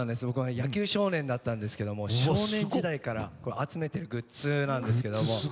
僕は野球少年だったんですけども少年時代から集めてるグッズなんですけども。